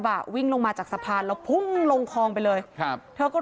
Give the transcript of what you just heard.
น่าจะลงช่วงใต้น่าจะลงช่วงใต้สะพานค่ะ